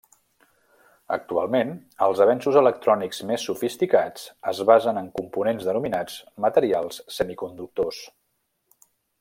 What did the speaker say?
Actualment els avenços electrònics més sofisticats es basen en components denominats materials semiconductors.